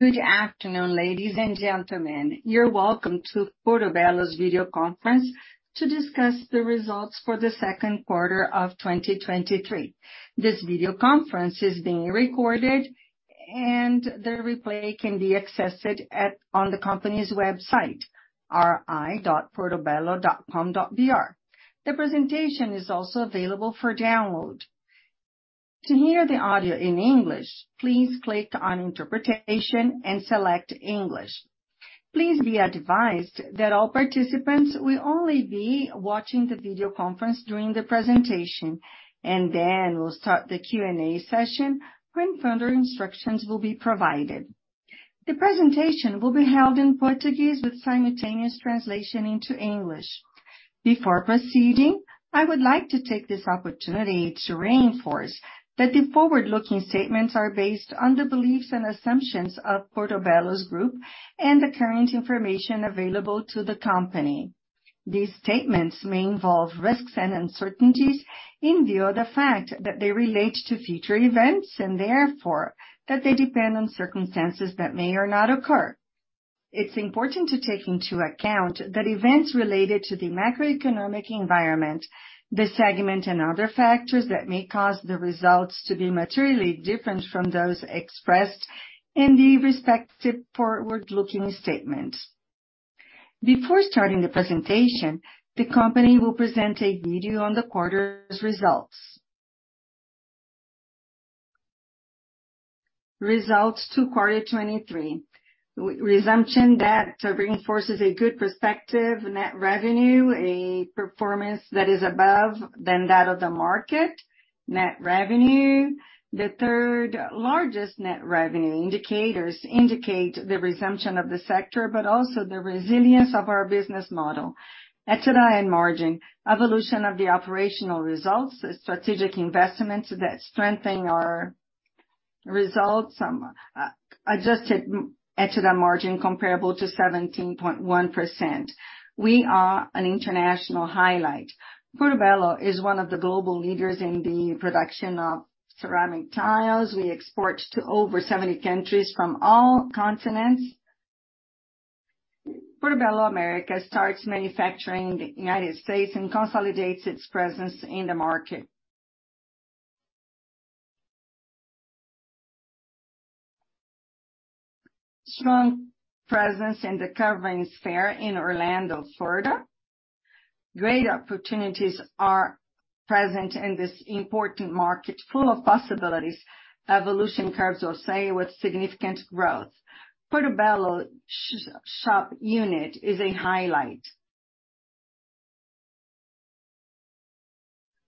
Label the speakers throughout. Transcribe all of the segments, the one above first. Speaker 1: Good afternoon, ladies and gentlemen. You're welcome to Portobello's video conference to discuss the results for the second quarter of 2023. This video conference is being recorded, and the replay can be accessed on the company's website, ri.portobello.com.br. The presentation is also available for download. To hear the audio in English, please click on Interpretation and select English. Please be advised that all participants will only be watching the video conference during the presentation, and then we'll start the Q&A session, when further instructions will be provided. The presentation will be held in Portuguese with simultaneous translation into English. Before proceeding, I would like to take this opportunity to reinforce that the forward-looking statements are based on the beliefs and assumptions of Portobello's Group and the current information available to the company. These statements may involve risks and uncertainties in view of the fact that they relate to future events, and therefore, that they depend on circumstances that may or not occur. It's important to take into account that events related to the macroeconomic environment, the segment and other factors that may cause the results to be materially different from those expressed in the respective forward-looking statements. Before starting the presentation, the company will present a video on the quarter's results. Results to quarter 23. Resumption that reinforces a good perspective. Net revenue, a performance that is above than that of the market. Net revenue, the third largest net revenue. Indicators indicate the resumption of the sector, but also the resilience of our business model. EBITDA and margin. Evolution of the operational results. Strategic investments that strengthen our results. Adjusted EBITDA margin comparable to 17.1%. We are an international highlight. Portobello is one of the global leaders in the production of ceramic tiles. We export to over 70 countries from all continents. Portobello America starts manufacturing in the United States and consolidates its presence in the market. Strong presence in the Coverings Expo in Orlando, Florida. Great opportunities are present in this important market, full of possibilities. Evolution curves or say, with significant growth. Portobello Shop Unit is a highlight.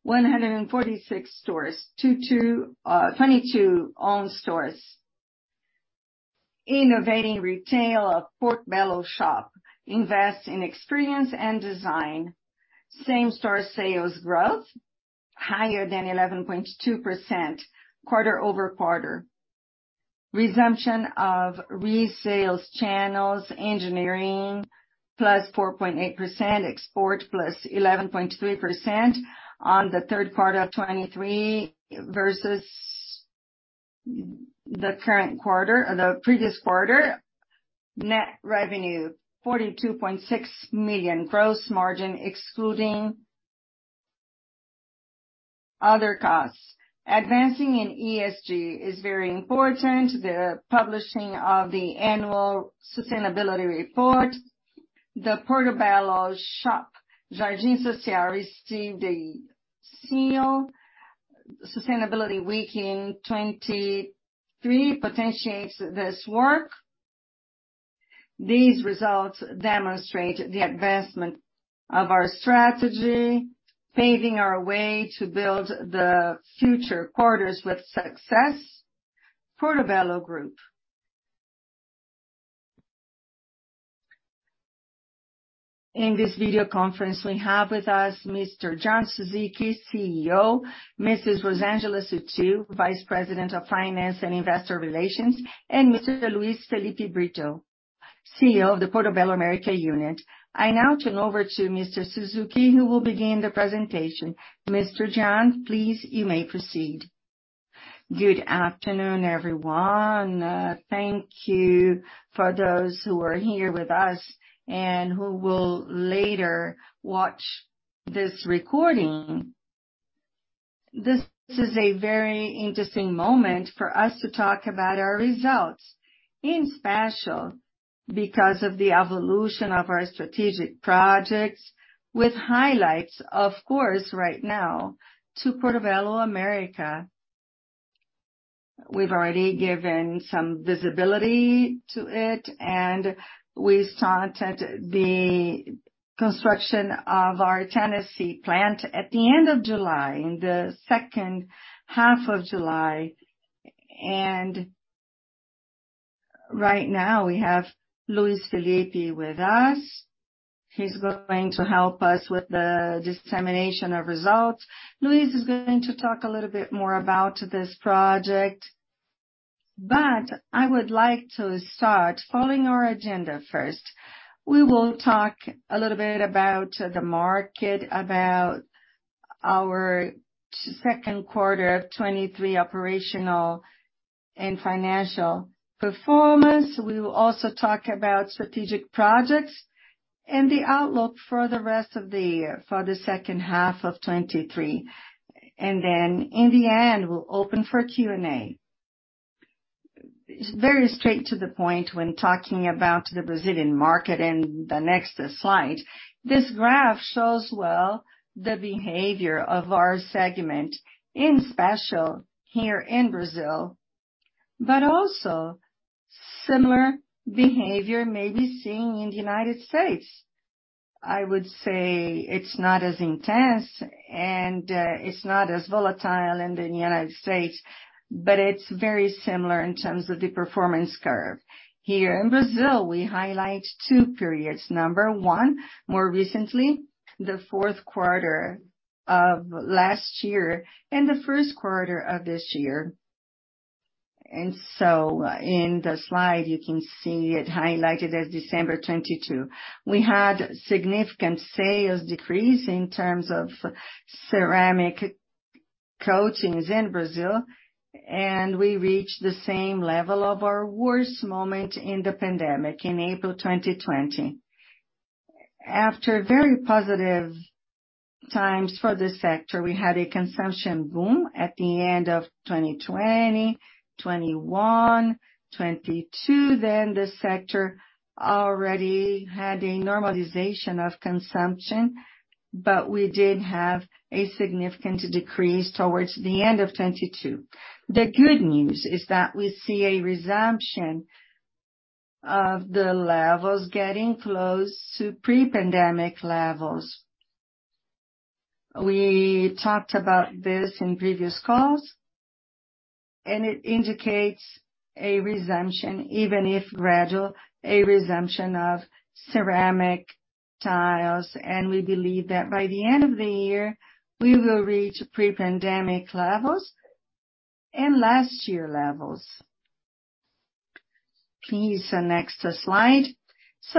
Speaker 1: 146 stores, 22 own stores. Innovating retail of Portobello Shop invests in experience and design. Same-store sales growth higher than 11.2%, quarter-over-quarter. Resumption of resales channels, engineering +4.8%, export +11.3% on the 3rd quarter of 2023 versus the previous quarter. Net revenue, 42.6 million. Gross margin, excluding other costs. Advancing in ESG is very important. The publishing of the Annual Sustainability Report, the Portobello Shop, Jardim Social received a seal. Sustainability Week in 2023 potentiates this work. These results demonstrate the advancement of our strategy, paving our way to build the future quarters with success. Portobello Group. In this video conference, we have with us Mr. João Suzuki, CEO, Mrs. Rosangela Sutil, Vice President of Finance and Investor Relations, and Mr. Luiz Felipe Brito, CEO of the Portobello America unit. I now turn over to Mr. Suzuki, who will begin the presentation. Mr. John, please, you may proceed. Good afternoon, everyone. Thank you for those who are here with us and who will later watch this recording. This is a very interesting moment for us to talk about our results, in special, because of the evolution of our strategic projects, with highlights, of course, right now, to Portobello America. We've already given some visibility to it. We started the construction of our Tennessee plant at the end of July, in the second half of July. Right now, we have Luiz Felipe with us. He's going to help us with the dissemination of results. Luiz is going to talk a little bit more about this project, but I would like to start following our agenda first. We will talk a little bit about the market, about our second quarter of 2023 operational and financial performance. We will also talk about strategic projects and the outlook for the rest of the year, for the second half of 2023. In the end, we'll open for Q&A. Very straight to the point, when talking about the Brazilian market in the next slide, this graph shows well the behavior of our segment, in special here in Brazil, but also similar behavior may be seen in the United States. I would say it's not as intense and, it's not as volatile in the United States, but it's very similar in terms of the performance curve. Here in Brazil, we highlight two periods. Number one, more recently, the fourth quarter of last year and the first quarter of this year. So in the slide, you can see it highlighted as December 2022. We had significant sales decrease in terms of ceramic coatings in Brazil, and we reached the same level of our worst moment in the pandemic, in April 2020. After very positive times for the sector, we had a consumption boom at the end of 2020, 2021, 2022. The sector already had a normalization of consumption, but we did have a significant decrease towards the end of 2022. The good news is that we see a resumption of the levels getting close to pre-pandemic levels. We talked about this in previous calls, and it indicates a resumption, even if gradual, a resumption of ceramic tiles, and we believe that by the end of the year, we will reach pre-pandemic levels and last year levels. Please, the next slide.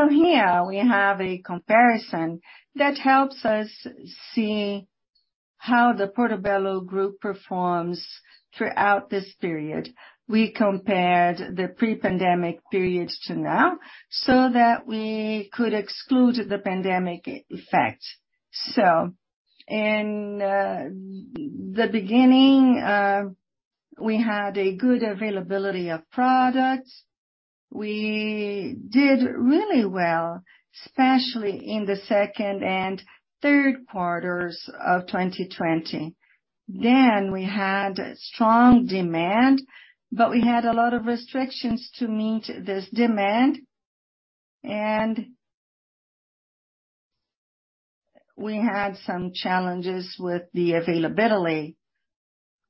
Speaker 1: Here we have a comparison that helps us see how the Portobello Group performs throughout this period. We compared the pre-pandemic period to now, so that we could exclude the pandemic effect. In the beginning, we had a good availability of products. We did really well, especially in the second and third quarters of 2020. We had strong demand, but we had a lot of restrictions to meet this demand, and we had some challenges with the availability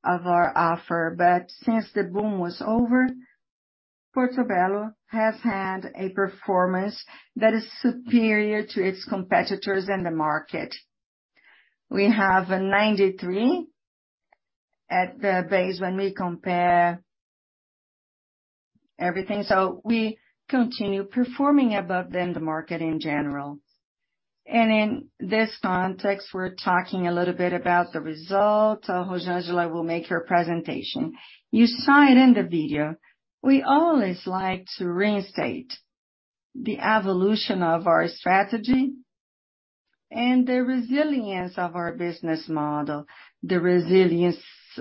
Speaker 1: of our offer. Since the boom was over, Portobello has had a performance that is superior to its competitors in the market. We have a 93 at the base when we compare everything, so we continue performing above than the market in general. In this context, we're talking a little bit about the result. Rosangela will make her presentation. You saw it in the video. We always like to reinstate the evolution of our strategy and the resilience of our business model, the resilience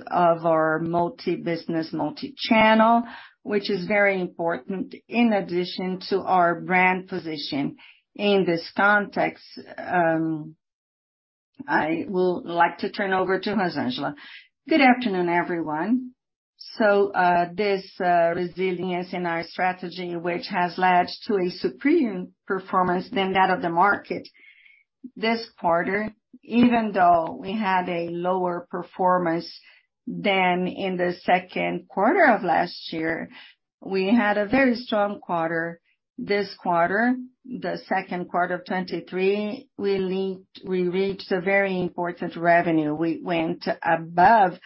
Speaker 1: of our multi-business, multi-channel, which is very important in addition to our brand position. In this context, I will like to turn over to Rosangela. Good afternoon, everyone. This resilience in our strategy, which has led to a superior performance than that of the market. This quarter, even though we had a lower performance than in the second quarter of last year, we had a very strong quarter. This quarter, the second quarter of 2023, we reached a very important revenue. We went above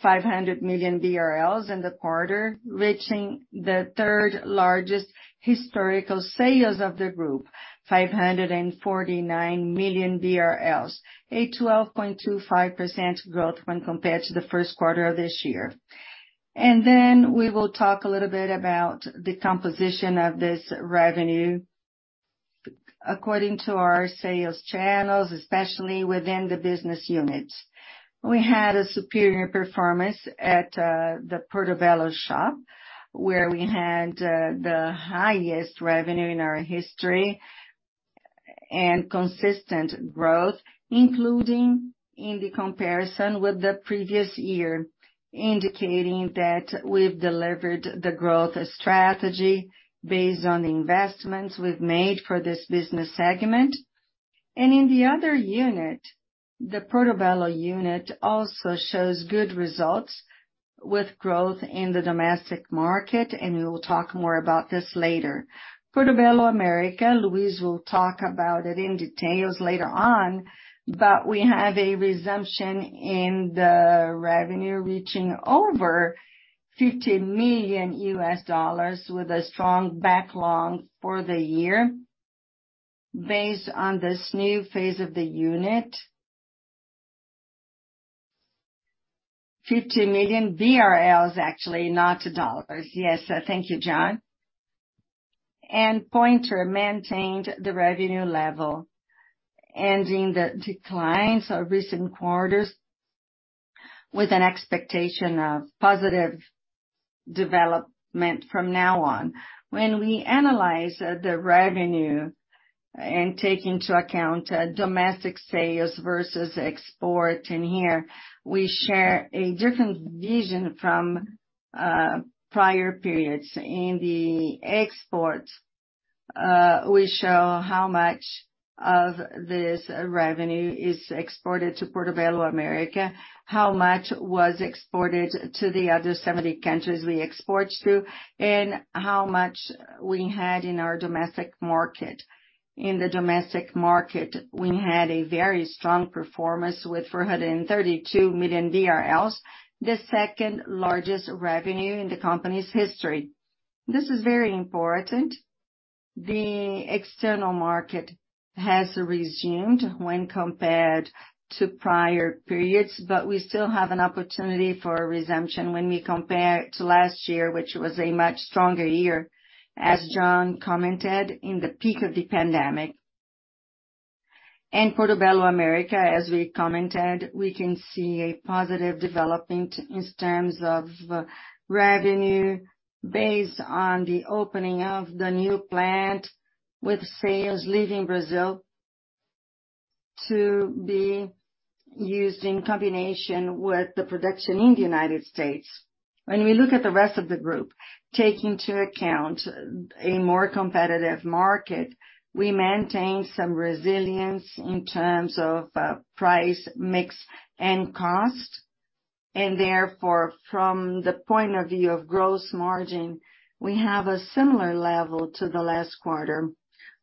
Speaker 1: 500 million BRLs in the quarter, reaching the third largest historical sales of the group, 549 million BRLs, a 12.25% growth when compared to the first quarter of this year. We will talk a little bit about the composition of this revenue. According to our sales channels, especially within the business units, we had a superior performance at the Portobello Shop, where we had the highest revenue in our history and consistent growth, including in the comparison with the previous year, indicating that we've delivered the growth strategy based on the investments we've made for this business segment. In the other unit, the Portobello unit also shows good results with growth in the domestic market, and we will talk more about this later. Portobello America, Luiz will talk about it in details later on, but we have a resumption in the revenue, reaching over 50 million US dollars with a strong backlog for the year. Based on this new phase of the unit. 50 million BRL, actually, not dollars. Yes, thank you, John. Pointer maintained the revenue level, ending the declines of recent quarters with an expectation of positive development from now on. When we analyze the revenue and take into account domestic sales versus export, and here we share a different vision from prior periods. In the exports, we show how much of this revenue is exported to Portobello America, how much was exported to the other 70 countries we export to, and how much we had in our domestic market. In the domestic market, we had a very strong performance with 432 million, the second-largest revenue in the company's history. This is very important. The external market has resumed when compared to prior periods, but we still have an opportunity for a resumption when we compare it to last year, which was a much stronger year, as John commented, in the peak of the pandemic. In Portobello America, as we commented, we can see a positive development in terms of revenue based on the opening of the new plant, with sales leaving Brazil to be used in combination with the production in the United States. When we look at the rest of the group, take into account a more competitive market, we maintain some resilience in terms of price, mix, and cost, and therefore, from the point of view of gross margin, we have a similar level to the last quarter.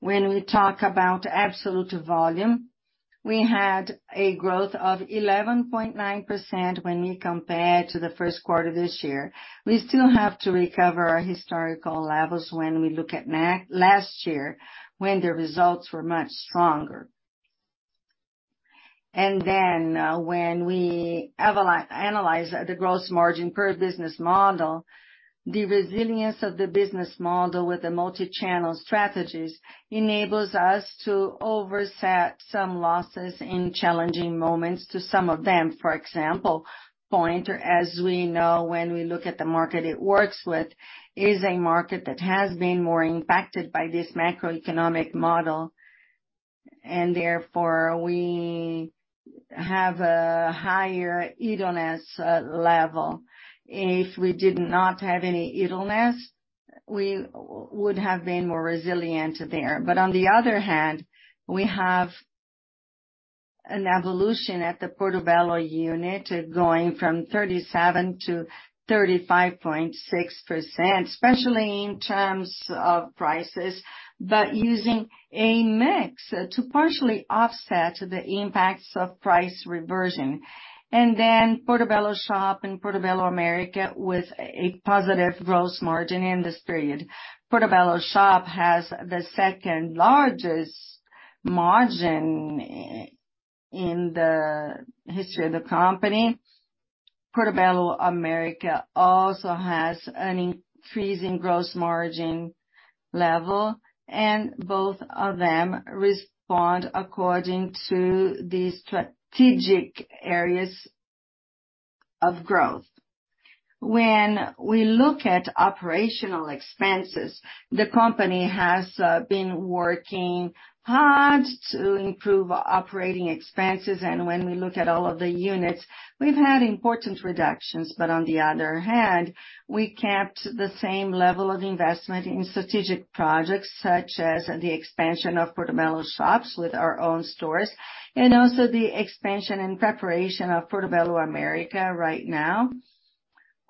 Speaker 1: When we talk about absolute volume, we had a growth of 11.9% when we compare to the first quarter this year. We still have to recover our historical levels when we look at last year, when the results were much stronger. Then, when we analyze the gross margin per business model, the resilience of the business model with the multi-channel strategies enables us to offset some losses in challenging moments to some of them. For example, Pointer, as we know, when we look at the market it works with, is a market that has been more impacted by this macroeconomic model, and therefore, we have a higher idleness level. If we did not have any idleness, we would have been more resilient there. On the other hand, we have an evolution at the Portobello unit, going from 37%-35.6%, especially in terms of prices, but using a mix to partially offset the impacts of price reversion. Portobello Shop and Portobello America with a positive gross margin in this period. Portobello Shop has the second-largest margin in the history of the company. Portobello America also has an increasing gross margin level, and both of them respond according to the strategic areas of growth. When we look at operational expenses, the company has been working hard to improve operating expenses, and when we look at all of the units, we've had important reductions. On the other hand, we kept the same level of investment in strategic projects, such as the expansion of Portobello Shops with our own stores, and also the expansion and preparation of Portobello America right now,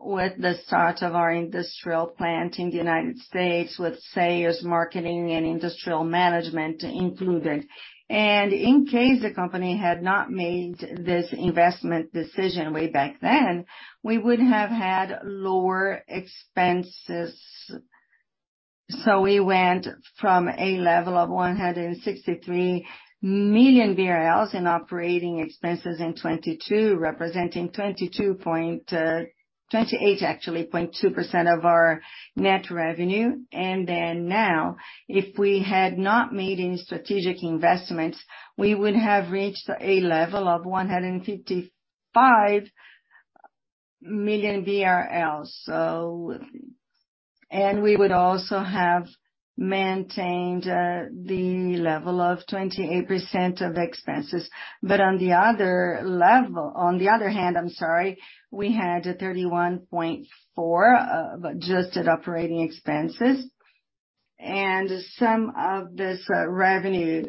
Speaker 1: with the start of our industrial plant in the United States, with sales, marketing, and industrial management included. In case the company had not made this investment decision way back then, we would have had lower expenses. We went from a level of 163 million BRL in operating expenses in 2022, representing 28.2% of our net revenue. Then now, if we had not made any strategic investments, we would have reached a level of 155 million BRL. We would also have maintained the level of 28% of expenses. On the other hand, I'm sorry, we had 31.4 adjusted OpEx, and some of this revenue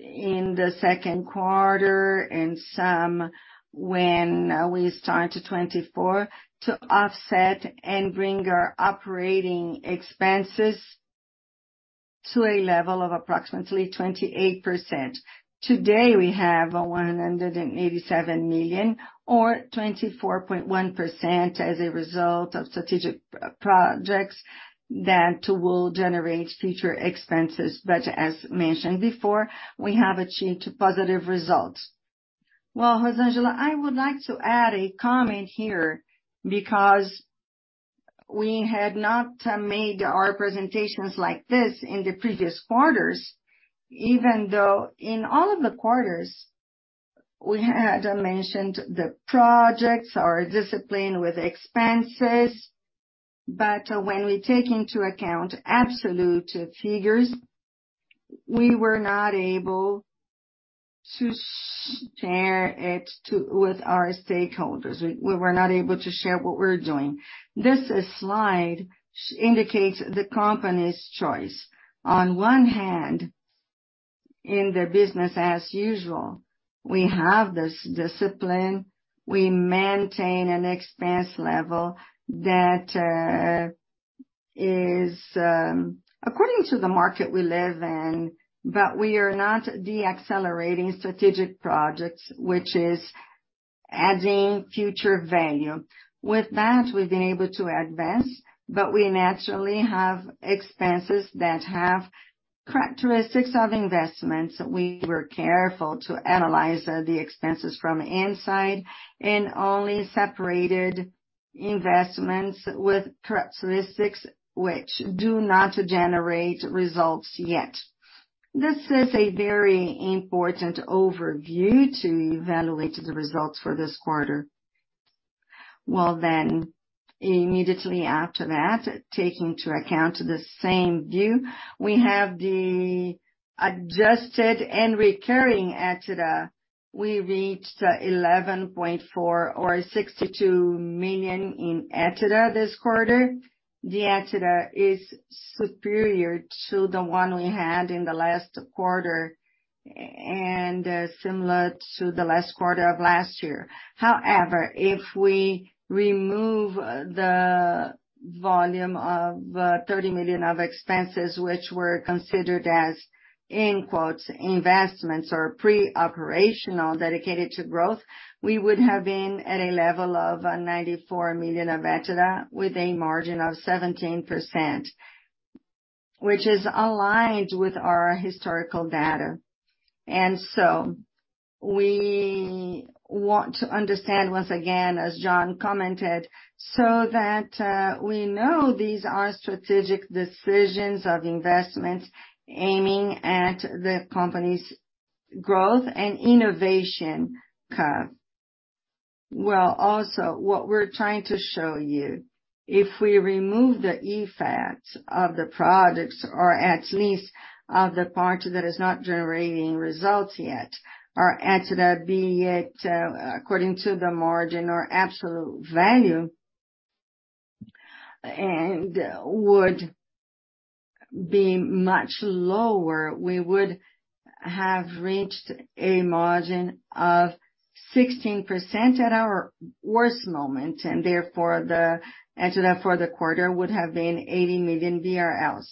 Speaker 1: in the second quarter and some when we started 2024, to offset and bring our OpEx to a level of approximately 28%. Today, we have a 187 million or 24.1% as a result of strategic projects that will generate future expenses. As mentioned before, we have achieved positive results. Well, Jose Angelo, I would like to add a comment here, because we had not made our presentations like this in the previous quarters, even though in all of the quarters, we had mentioned the projects, our discipline with expenses. When we take into account absolute figures, we were not able to share it with our stakeholders. We, we were not able to share what we're doing. This slide indicates the company's choice. On one hand, in the business as usual, we have this discipline. We maintain an expense level that is according to the market we live in, but we are not deaccelerating strategic projects, which is adding future value. With that, we've been able to advance, but we naturally have expenses that have characteristics of investments. We were careful to analyze the expenses from inside, and only separated investments with characteristics which do not generate results yet. This is a very important overview to evaluate the results for this quarter. Well, immediately after that, taking into account the same view, we have the adjusted and recurring EBITDA. We reached 11.4 million or 62 million in EBITDA this quarter. The EBITDA is superior to the one we had in the last quarter, and similar to the last quarter of last year. However, if we remove the volume of 30 million of expenses, which were considered as, in quotes, investments or pre-operational, dedicated to growth, we would have been at a level of 94 million of EBITDA, with a margin of 17%, which is aligned with our historical data. We want to understand once again, as John commented, so that we know these are strategic decisions of investments aiming at the company's growth and innovation curve. What we're trying to show you, if we remove the effect of the products or at least of the part that is not generating results yet, our EBITDA, be it according to the margin or absolute value, and would be much lower. We would have reached a margin of 16% at our worst moment. Therefore, the EBITDA for the quarter would have been 80 million BRL.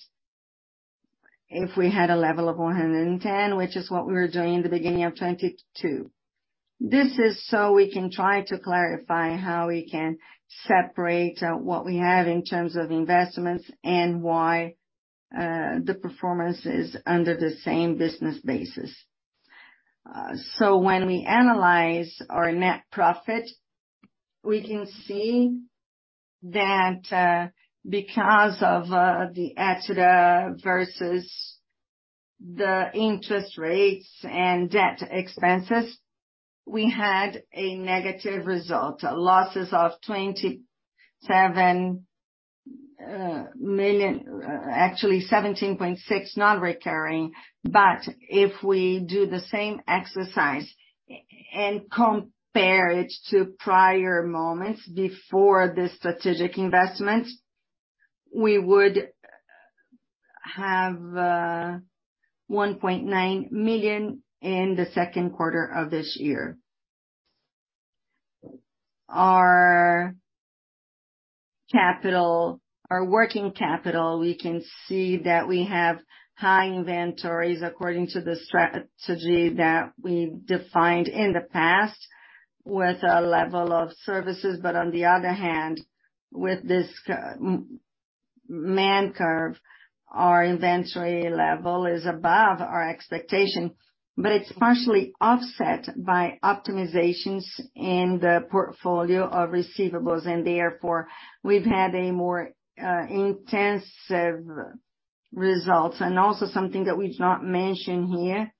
Speaker 1: If we had a level of 110, which is what we were doing in the beginning of 2022. This is so we can try to clarify how we can separate what we have in terms of investments and why the performance is under the same business basis. When we analyze our net profit, we can see that because of the EBITDA versus the interest rates and debt expenses, we had a negative result. Losses of 27 million actually 17.6, non-recurring. If we do the same exercise and compare it to prior moments before the strategic investment, we would have 1.9 million in the second quarter of this year. Our working capital, we can see that we have high inventories according to the strategy that we defined in the past, with a level of services. On the other hand, with this man curve, our inventory level is above our expectation, but it's partially offset by optimizations in the portfolio of receivables, and therefore, we've had a more intensive results. Also something that we've not mentioned here,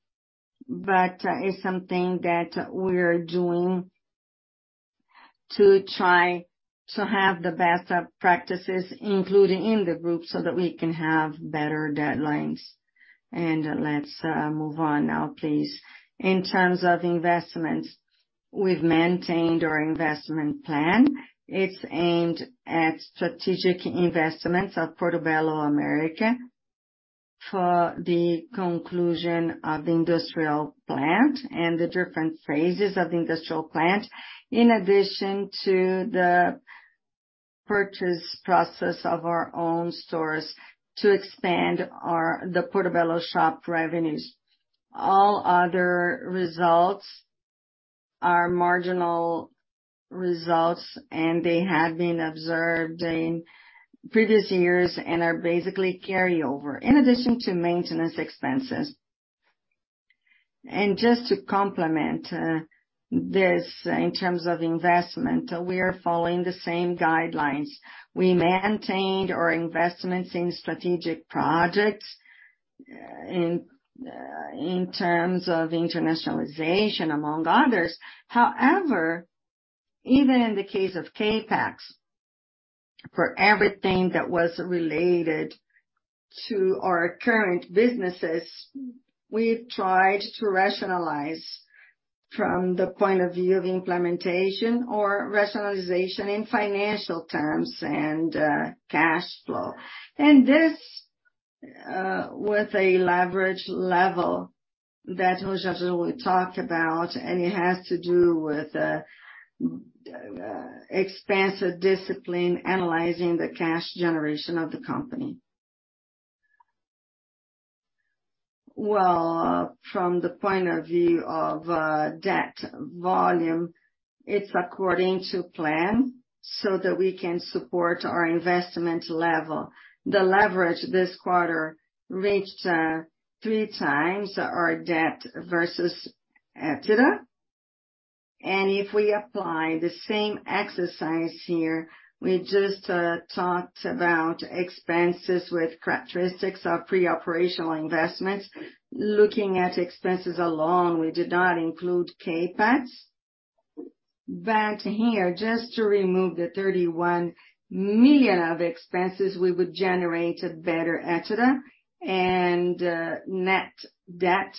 Speaker 1: but is something that we're doing to try to have the best practices, including in the group, so that we can have better deadlines. Let's move on now, please. In terms of investments, we've maintained our investment plan. It's aimed at strategic investments of Portobello America for the conclusion of the industrial plant and the different phases of the industrial plant, in addition to the purchase process of our own stores to expand our, the Portobello Shop revenues. All other results are marginal results, and they have been observed in previous years and are basically carry over, in addition to maintenance expenses. Just to complement, this in terms of investment, we are following the same guidelines. We maintained our investments in strategic projects, in, in terms of internationalization, among others. However, even in the case of CapEx, for everything that was related to our current businesses, we tried to rationalize from the point of view of implementation or rationalization in financial terms and, cash flow. This, with a leverage level that Jose will talk about, and it has to do with expansive discipline, analyzing the cash generation of the company. Well, from the point of view of debt volume, it's according to plan, so that we can support our investment level. The leverage this quarter reached 3x our debt versus EBITDA. If we apply the same exercise here, we just talked about expenses with characteristics of pre-operational investments. Looking at expenses alone, we did not include CapEx. Here, just to remove the 31 million of expenses, we would generate a better EBITDA and net debt,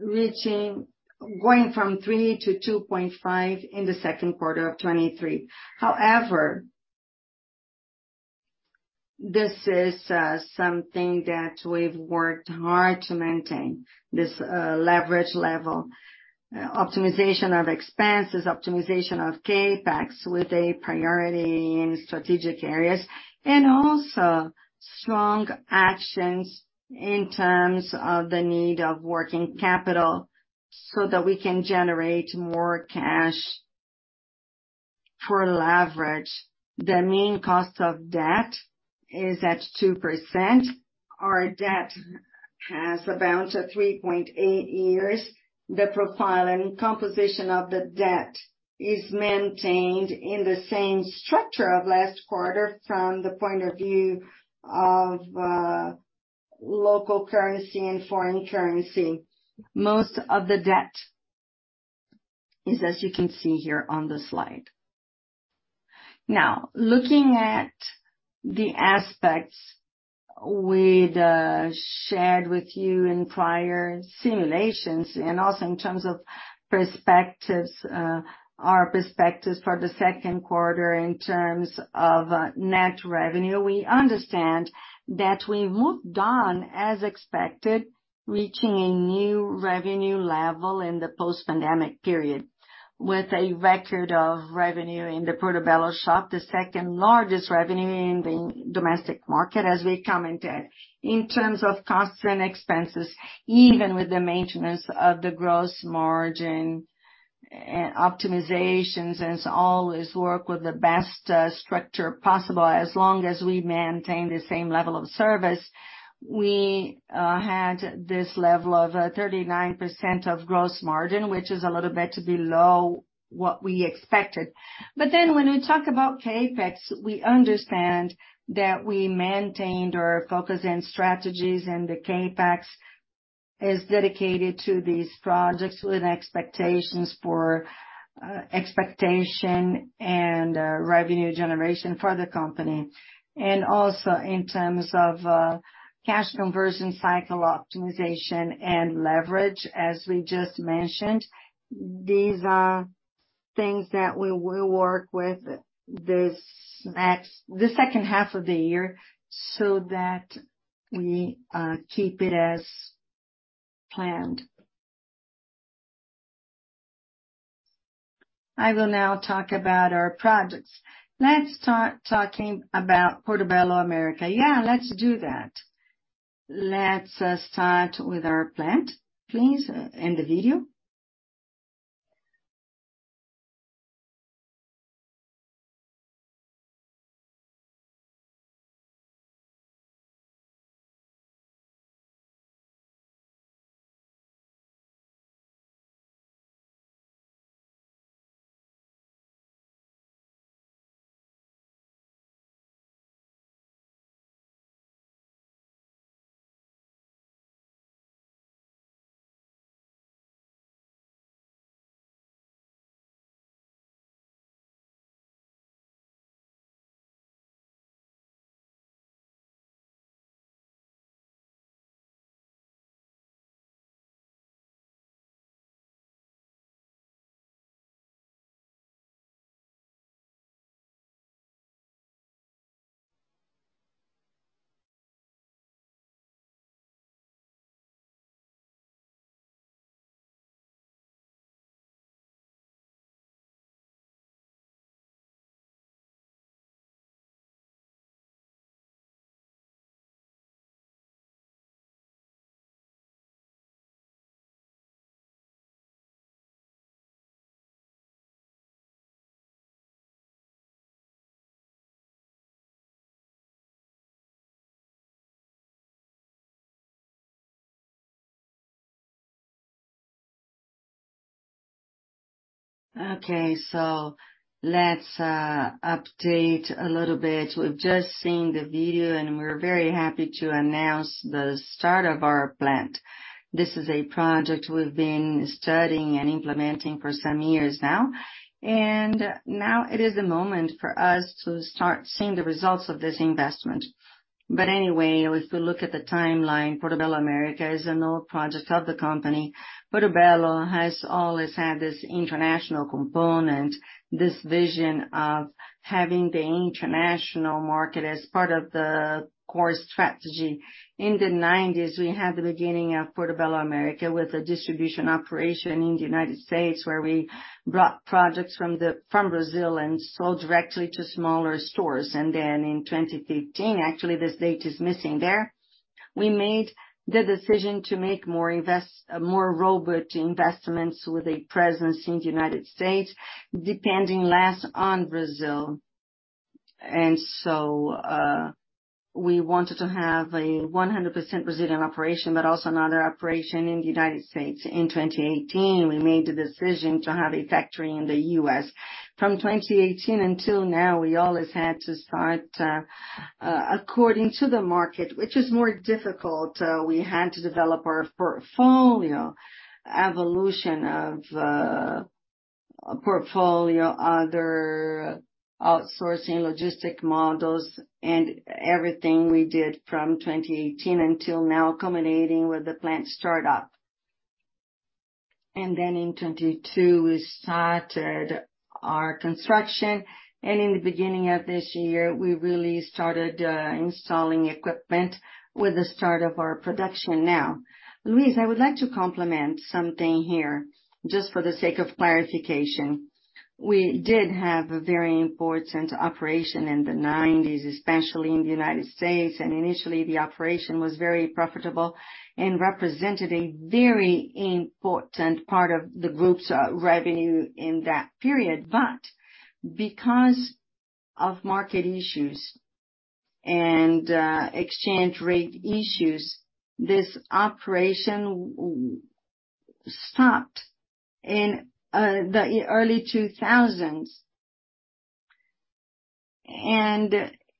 Speaker 1: reaching-- going from 3x-2.5x in the 2Q of 2023. However, this is something that we've worked hard to maintain, this leverage level. Optimization of expenses, optimization of CapEx with a priority in strategic areas, and also strong actions in terms of the need of working capital, so that we can generate more cash for leverage. The mean cost of debt is at 2%. Our debt has about 3.8 years. The profile and composition of the debt is maintained in the same structure of last quarter from the point of view of local currency and foreign currency. Most of the debt is, as you can see here on the slide. Now, looking at the aspects we'd shared with you in prior simulations, and also in terms of perspectives, our perspectives for the second quarter in terms of net revenue, we understand that we moved on as expected, reaching a new revenue level in the post-pandemic period, with a record of revenue in the Portobello Shop, the second-largest revenue in the domestic market, as we commented. In terms of costs and expenses, even with the maintenance of the gross margin and optimizations, as always, work with the best structure possible. As long as we maintain the same level of service, we had this level of 39% of gross margin, which is a little bit below what we expected. When we talk about CapEx, we understand that we maintained our focus and strategies, and the CapEx is dedicated to these projects with expectations for expectation and revenue generation for the company. Also in terms of cash conversion, cycle optimization, and leverage, as we just mentioned, these are things that we will work with this next, the second half of the year so that we keep it as planned. I will now talk about our projects. Let's start talking about Portobello America. Yeah, let's do that. Let's start with our plant, please, and the video. Okay, let's update a little bit. We've just seen the video, and we're very happy to announce the start of our plant. This is a project we've been studying and implementing for some years now, now it is the moment for us to start seeing the results of this investment. Anyway, if we look at the timeline, Portobello America is an old project of the company. Portobello has always had this international component, this vision of having the international market as part of the core strategy. In the 1990s, we had the beginning of Portobello America with a distribution operation in the United States, where we brought projects from Brazil and sold directly to smaller stores. Then in 2018, actually, this date is missing there, we made the decision to make more robust investments with a presence in the United States, depending less on Brazil. We wanted to have a 100% Brazilian operation, but also another operation in the United States. In 2018, we made the decision to have a factory in the U.S. From 2018 until now, we always had to start, according to the market, which is more difficult. We had to develop our portfolio, evolution of portfolio, other outsourcing logistic models, and everything we did from 2018 until now, culminating with the plant startup. In 2022, we started our construction, and in the beginning of this year, we really started installing equipment with the start of our production now. Luiz, I would like to complement something here, just for the sake of clarification. We did have a very important operation in the 90s, especially in the United States, and initially, the operation was very profitable and represented a very important part of the group's revenue in that period. Because of market issues and exchange rate issues, this operation stopped in the early 2000s.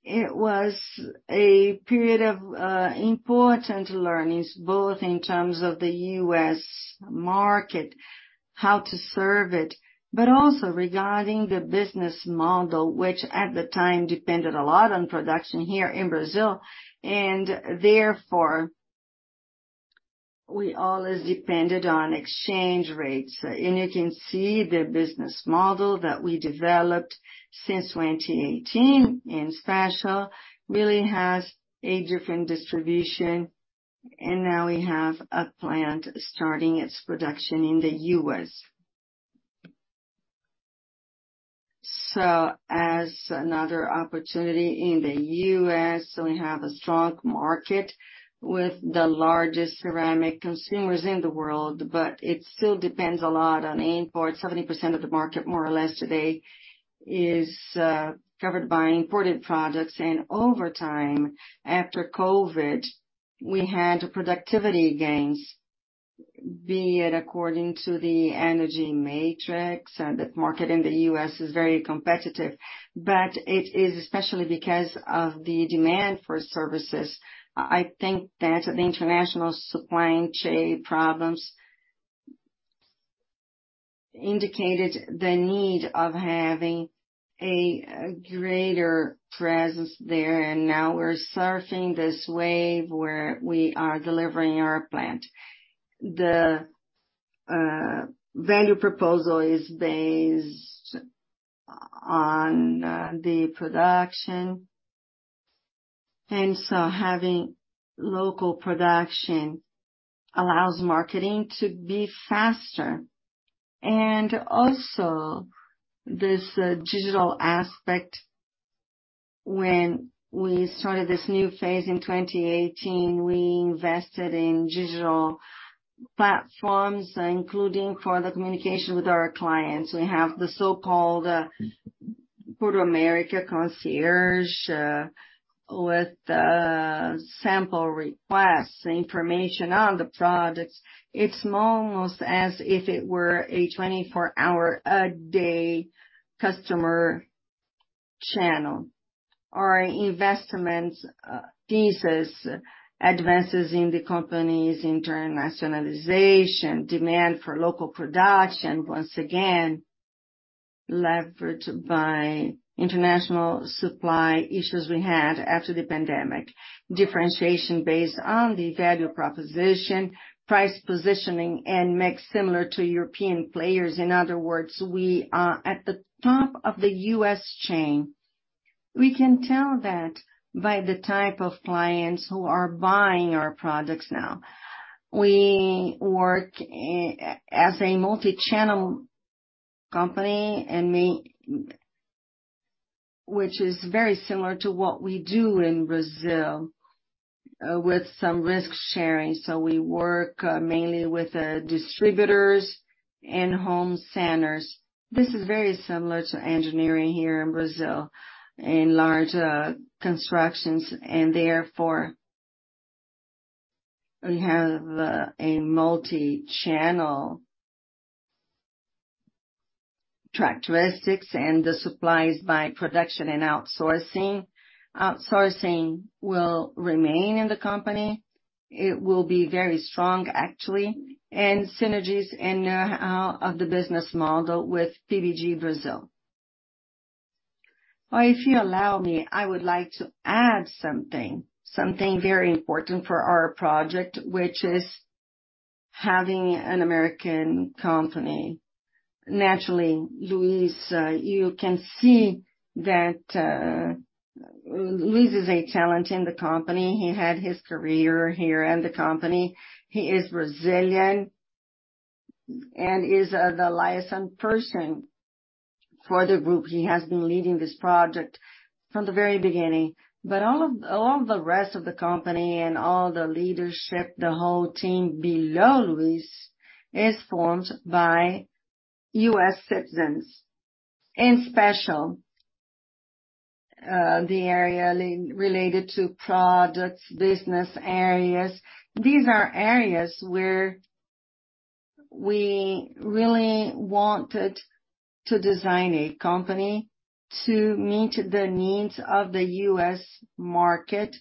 Speaker 1: It was a period of important learnings, both in terms of the U.S. market, how to serve it, but also regarding the business model, which at the time, depended a lot on production here in Brazil. Therefore, we always depended on exchange rates. You can see the business model that we developed since 2018, in special, really has a different distribution, and now we have a plant starting its production in the U.S. As another opportunity in the U.S., we have a strong market with the largest ceramic consumers in the world, but it still depends a lot on import. 70% of the market, more or less today, is covered by imported products, and over time, after COVID, we had productivity gains, be it according to the energy matrix. The market in the U.S. is very competitive, but it is especially because of the demand for services. I, I think that the international supply chain problems indicated the need of having a, a greater presence there, and now we're surfing this wave where we are delivering our plant. The value proposal is based on the production, and so having local production allows marketing to be faster. Also, this digital aspect. When we started this new phase in 2018, we invested in digital platforms, including for the communication with our clients. We have the so-called Portobello America Concierge, with sample requests, information on the products. It's almost as if it were a 24-hour a day customer channel. Our investments thesis, advances in the company's internationalization, demand for local production, once again, leveraged by international supply issues we had after the pandemic. Differentiation based on the value proposition, price positioning and mix similar to European players. In other words, we are at the top of the U.S. chain. We can tell that by the type of clients who are buying our products now. We work as a multi-channel company, which is very similar to what we do in Brazil, with some risk sharing. We work mainly with distributors and home centers. This is very similar to engineering here in Brazil, in large constructions. Therefore, we have a multi-channel characteristics and the supplies by production and outsourcing. Outsourcing will remain in the company. It will be very strong, actually, and synergies of the business model with PBG Brazil. If you allow me, I would like to add something, something very important for our project, which is having an American company. Naturally, Luiz, you can see that Luiz is a talent in the company. He had his career here in the company. He is Brazilian and is the liaison person for the group. He has been leading this project from the very beginning. All of, all the rest of the company and all the leadership, the whole team below Luiz, is formed by U.S. citizens, and special, the area related to products, business areas. These are areas where we really wanted to design a company to meet the needs of the U.S. market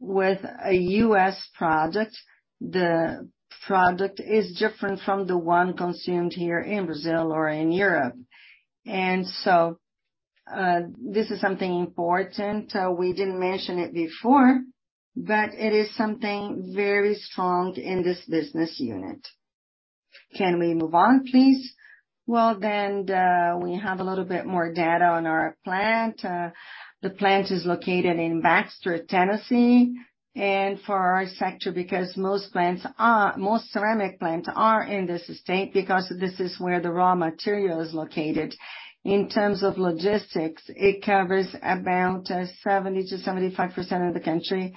Speaker 1: with a U.S. product. The product is different from the one consumed here in Brazil or in Europe. This is something important. We didn't mention it before, but it is something very strong in this business unit. Can we move on, please? Well, we have a little bit more data on our plant. The plant is located in Baxter, Tennessee, and for our sector, because most plants most ceramic plants are in this state because this is where the raw material is located. In terms of logistics, it covers about 70%-75% of the country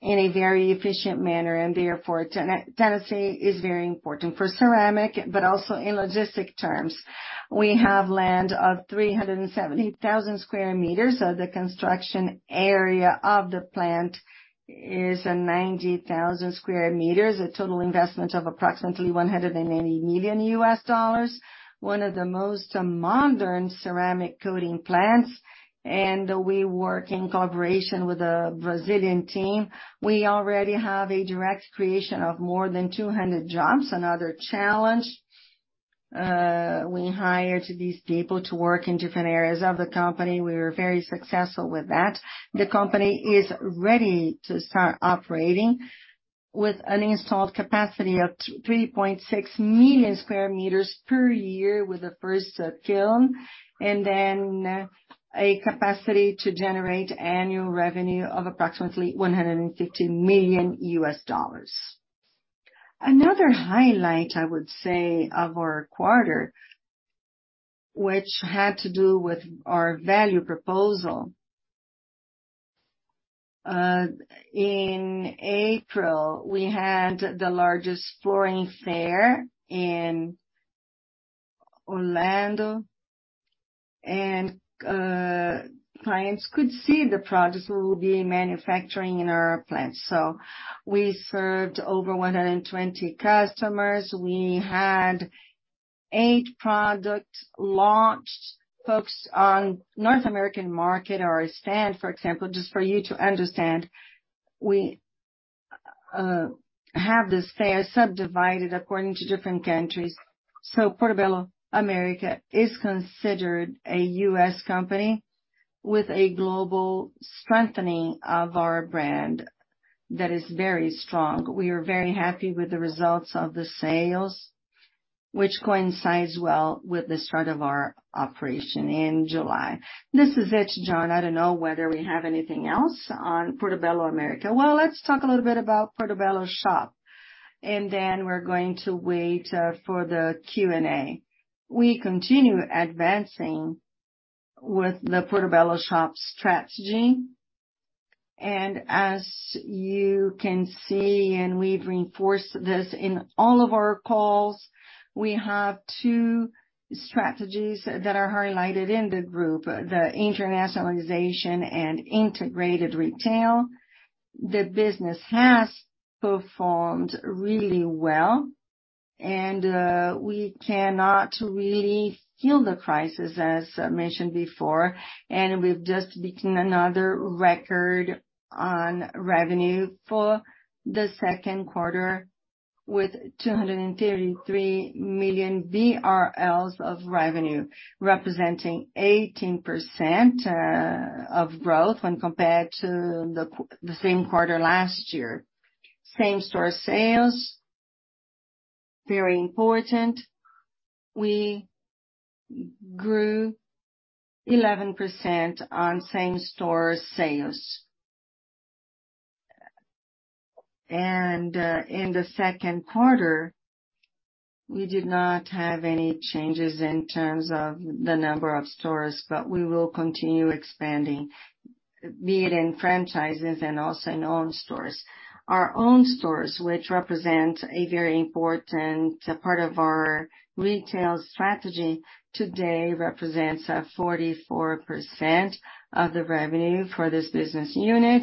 Speaker 1: in a very efficient manner. Therefore, Tennessee is very important for ceramic, also in logistic terms. We have land of 370,000 square meters. The construction area of the plant is 90,000 square meters, a total investment of approximately $180 million. One of the most modern ceramic coating plants. We work in cooperation with a Brazilian team. We already have a direct creation of more than 200 jobs. Another challenge, we hired these people to work in different areas of the company. We were very successful with that. The company is ready to start operating with an installed capacity of 3.6 million sq m per year with the first kiln. Then a capacity to generate annual revenue of approximately $150 million. Another highlight, I would say, of our quarter, which had to do with our value proposal. In April, we had the largest flooring fair in Orlando. Clients could see the products we will be manufacturing in our plant. We served over 120 customers. We had eight products launched, focused on North American market stand, for example. Just for you to understand, we have this fair subdivided according to different countries. Portobello America is considered a U.S. company with a global strengthening of our brand that is very strong. We are very happy with the results of the sales, which coincides well with the start of our operation in July. This is it, John. I don't know whether we have anything else on Portobello America. Well, let's talk a little bit about Portobello Shop. Then we're going to wait for the Q&A. We continue advancing with the Portobello Shop strategy. As you can see, and we've reinforced this in all of our calls, we have two strategies that are highlighted in the group: the internationalization and integrated retail. The business has performed really well. We cannot really feel the crisis, as mentioned before. We've just beaten another record on revenue for the second quarter, with 233 million BRL of revenue, representing 18% of growth when compared to the same quarter last year. Same-store sales, very important. We grew 11% on same-store sales. In the second quarter, we did not have any changes in terms of the number of stores, but we will continue expanding, be it in franchises and also in own stores. Our own stores, which represent a very important part of our retail strategy, today represents 44% of the revenue for this business unit.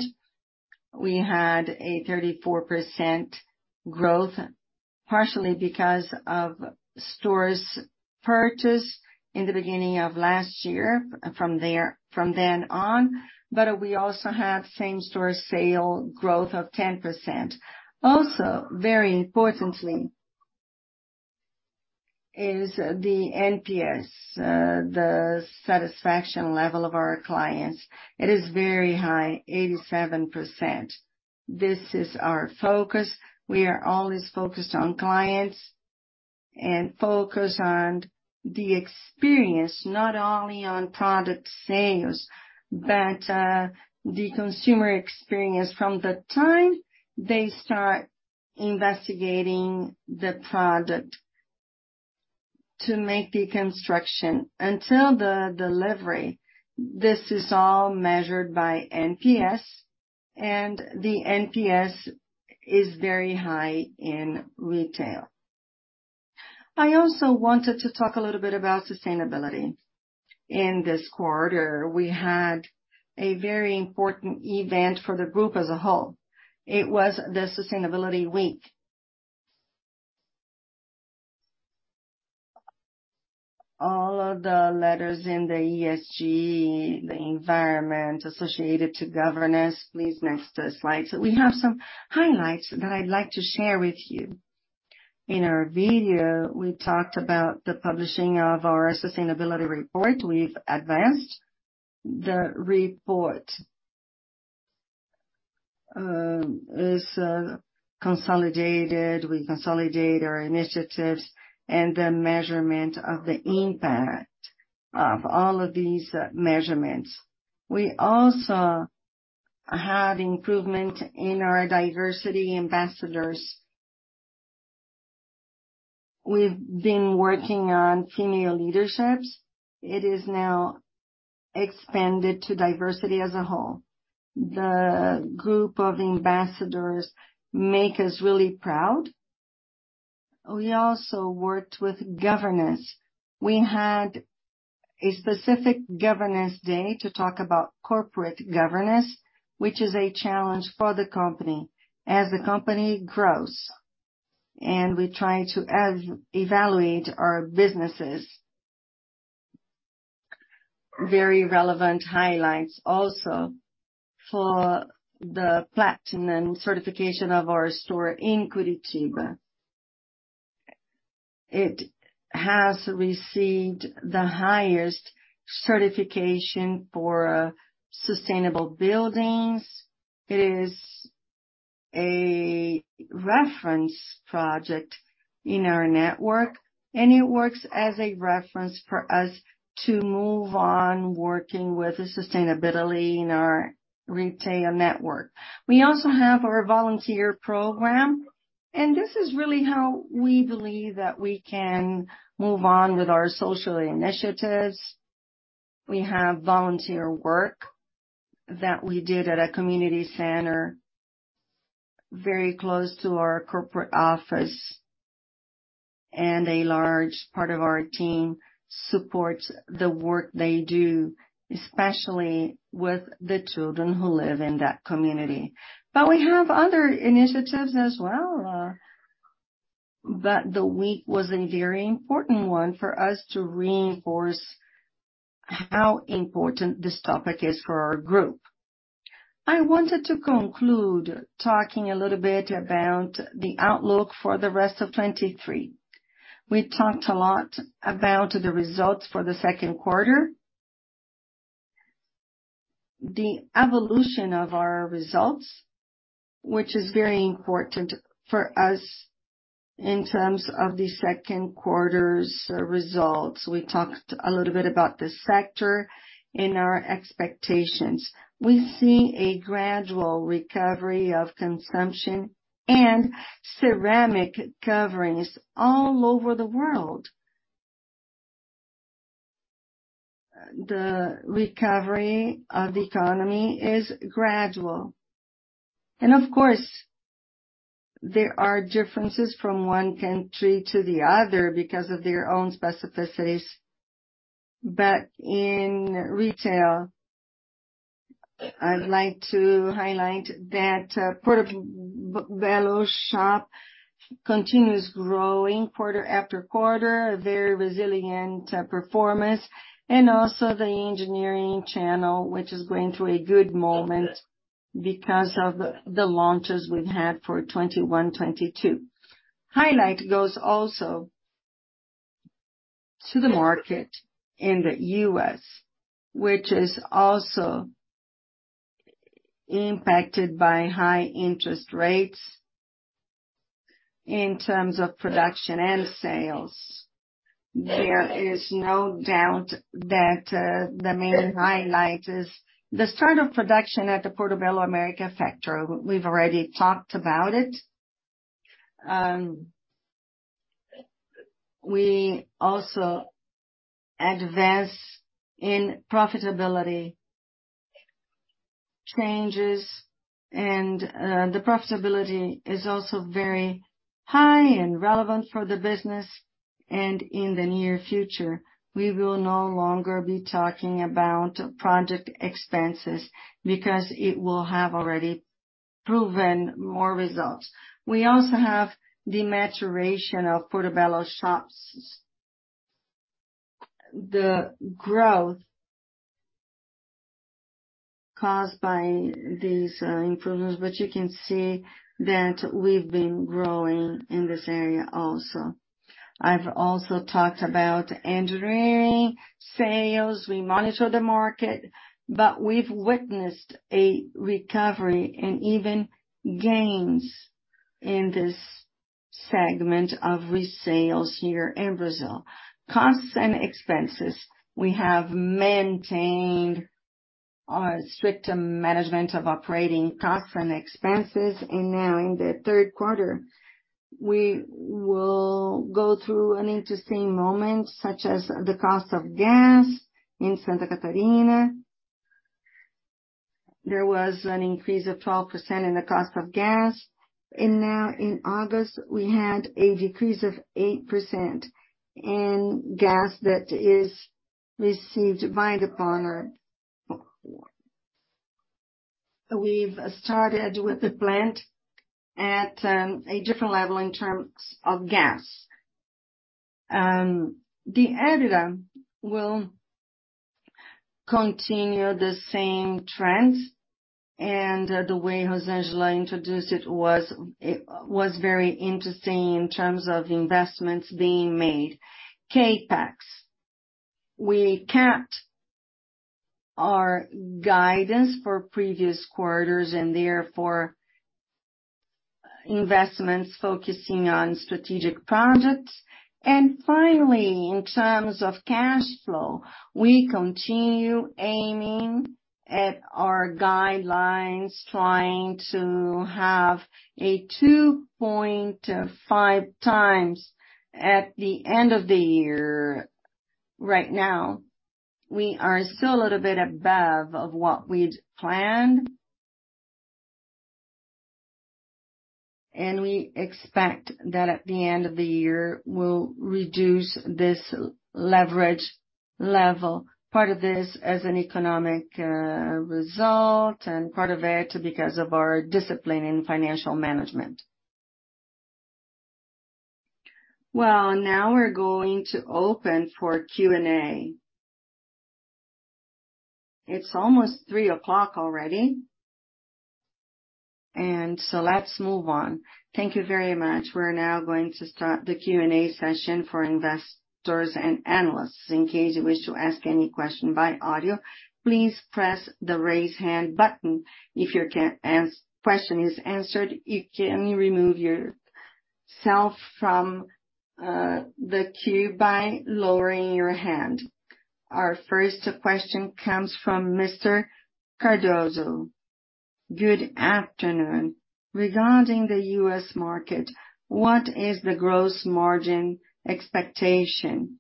Speaker 1: We had a 34% growth, partially because of stores purchased in the beginning of last year from there from then on, but we also have same-store sale growth of 10%. Also, very importantly, is the NPS, the satisfaction level of our clients. It is very high, 87%. This is our focus. We are always focused on clients and focused on the experience, not only on product sales, but the consumer experience from the time they start investigating the product to make the construction until the delivery. This is all measured by NPS, and the NPS is very high in retail. I also wanted to talk a little bit about sustainability. In this quarter, we had a very important event for the group as a whole. It was the Sustainability Week. All of the letters in the ESG, the environment associated to governance. Please, next slide. We have some highlights that I'd like to share with you. In our video, we talked about the publishing of our Sustainability Report. We've advanced the report. Is consolidated. We consolidate our initiatives and the measurement of the impact of all of these measurements. We also had improvement in our diversity ambassadors. We've been working on female leaderships. It is now expanded to diversity as a whole. The group of ambassadors make us really proud. We also worked with governance. We had a specific governance day to talk about corporate governance, which is a challenge for the company as the company grows. We try to evaluate our businesses. Very relevant highlights also for the platinum certification of our store in Curitiba. It has received the highest certification for sustainable buildings. It is a reference project in our network. It works as a reference for us to move on working with sustainability in our retail network. We also have our volunteer program. This is really how we believe that we can move on with our social initiatives. We have volunteer work that we did at a community center very close to our corporate office, and a large part of our team supports the work they do, especially with the children who live in that community. We have other initiatives as well, but the week was a very important one for us to reinforce how important this topic is for our group. I wanted to conclude talking a little bit about the outlook for the rest of 2023. We talked a lot about the results for the second quarter. The evolution of our results, which is very important for us in terms of the second quarter's results. We talked a little bit about the sector and our expectations. We see a gradual recovery of consumption and ceramic coverings all over the world. The recovery of the economy is gradual. Of course, there are differences from one country to the other because of their own specificities. In retail, I'd like to highlight that Portobello Shop continues growing quarter after quarter, a very resilient performance, and also the engineering channel, which is going through a good moment because of the launches we've had for 21, 22. Highlight goes also to the market in the U.S., which is also impacted by high interest rates.... In terms of production and sales, there is no doubt that the main highlight is the start of production at the Portobello America factory. We've already talked about it. We also advance in profitability changes, and the profitability is also very high and relevant for the business, and in the near future, we will no longer be talking about project expenses because it will have already proven more results. We also have the maturation of Portobello shops. The growth caused by these improvements, you can see that we've been growing in this area also. I've also talked about engineering, sales. We monitor the market, but we've witnessed a recovery and even gains in this segment of resales here in Brazil. Costs and expenses. We have maintained a strict management of operating costs and expenses, and now in the third quarter, we will go through an interesting moment, such as the cost of gas in Santa Catarina. There was an increase of 12% in the cost of gas. Now in August, we had a decrease of 8% in gas that is received by the partner. We've started with the plant at a different level in terms of gas. The editor will continue the same trends. The way Jose Angelo introduced it was, it was very interesting in terms of investments being made. CapEx. We kept our guidance for previous quarters. Therefore, investments focusing on strategic projects. Finally, in terms of cash flow, we continue aiming at our guidelines, trying to have a 2.5x at the end of the year. Right now, we are still a little bit above of what we'd planned. We expect that at the end of the year, we'll reduce this leverage level. Part of this as an economic result and part of it because of our discipline in financial management. Well, now we're going to open for Q&A. It's almost 3:00 already. Let's move on. Thank you very much. We're now going to start the Q&A session for investors and analysts. In case you wish to ask any question by audio, please press the Raise Hand button. If your question is answered, you can remove yourself from the queue by lowering your hand. Our first question comes from Mr. Cardoso. Good afternoon. Regarding the U.S. market, what is the gross margin expectation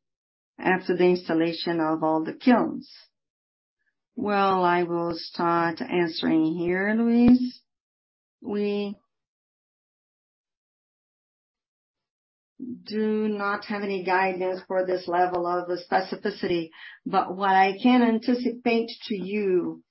Speaker 1: after the installation of all the kilns? Well, I will start answering here, Luiz. We do not have any guidance for this level of specificity, but what I can anticipate to you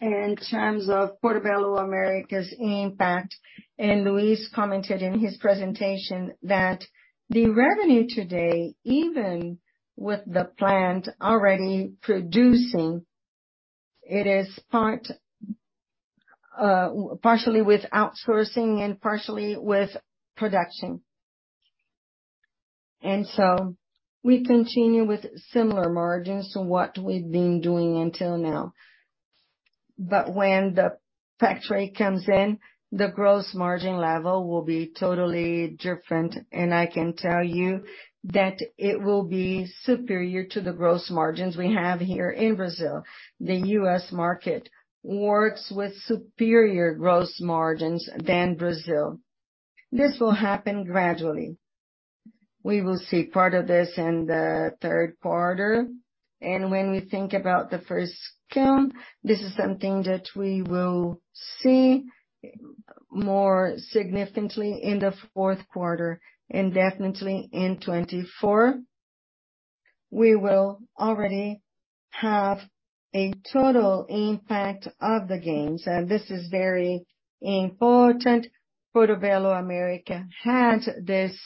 Speaker 1: in terms of Portobello America's impact, and Luiz commented in his presentation, that the revenue today, even with the plant already producing, it is part, partially with outsourcing and partially with production. We continue with similar margins to what we've been doing until now. When the factory comes in, the gross margin level will be totally different, and I can tell you that it will be superior to the gross margins we have here in Brazil. The US market works with superior gross margins than Brazil. This will happen gradually. We will see part of this in the third quarter. When we think about the first kiln, this is something that we will see more significantly in the fourth quarter. Definitely in 2024, we will already have a total impact of the gains. This is very important. Portobello America had this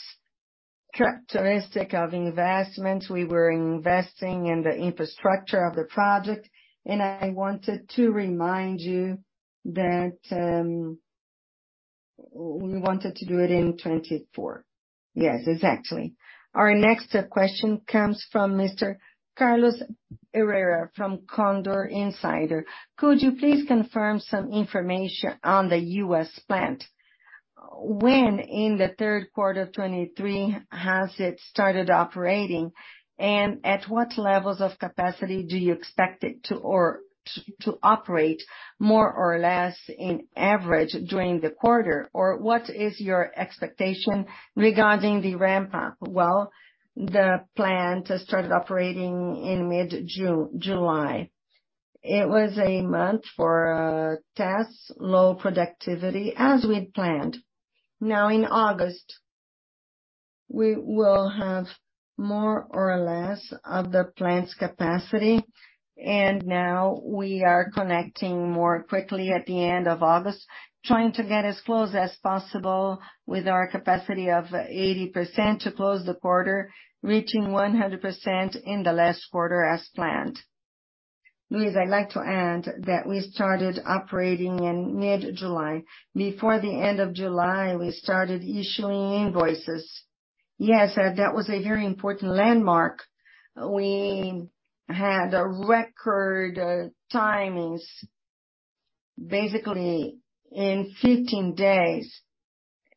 Speaker 1: characteristic of investment. We were investing in the infrastructure of the project. I wanted to remind you that, we wanted to do it in 2024. Yes, exactly. Our next question comes from Mr. Carlos Herrera from Condor Insider. Could you please confirm some information on the U.S. plant? When in the third quarter of 2023 has it started operating, and at what levels of capacity do you expect it to operate more or less in average during the quarter? Or what is your expectation regarding the ramp-up? Well, the plant started operating in mid-June, July. It was a month for tests, low productivity, as we'd planned. Now, in August, we will have more or less of the plant's capacity, and now we are connecting more quickly at the end of August, trying to get as close as possible with our capacity of 80% to close the quarter, reaching 100% in the last quarter as planned. Luiz, I'd like to add that we started operating in mid-July. Before the end of July, we started issuing invoices. Yes, that was a very important landmark. We had record timings, basically in 15 days,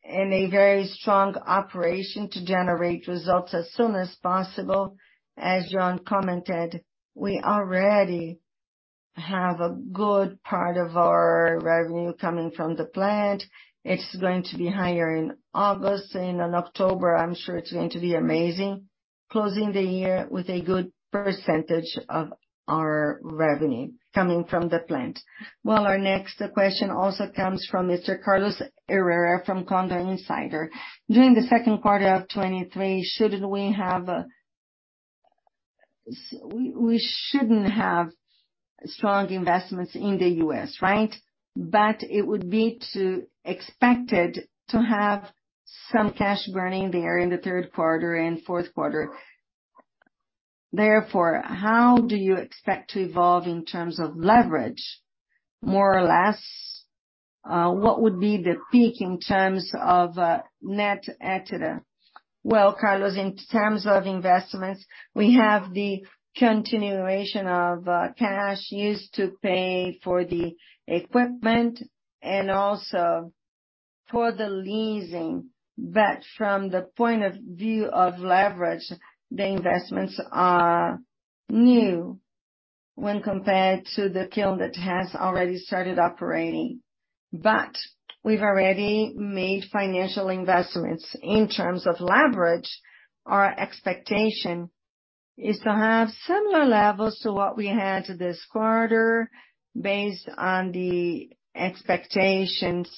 Speaker 1: a very strong operation to generate results as soon as possible. As John commented, we already have a good part of our revenue coming from the plant. It's going to be higher in August, in October, I'm sure it's going to be amazing, closing the year with a good percentage of our revenue coming from the plant. Well, our next question also comes from Mr. Carlos Herrera, from Condor Insider. During the second quarter of 2023, shouldn't we have strong investments in the U.S., right? It would be too expected to have some cash burning there in the third quarter and fourth quarter. How do you expect to evolve in terms of leverage, more or less, what would be the peak in terms of net EBITDA? Well, Carlos, in terms of investments, we have the continuation of cash used to pay for the equipment and also for the leasing. From the point of view of leverage, the investments are new when compared to the kiln that has already started operating. We've already made financial investments. In terms of leverage, our expectation is to have similar levels to what we had this quarter, based on the expectations